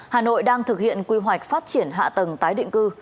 hà nội đang thực hiện quy hoạch phát triển hạ tầng tái định cư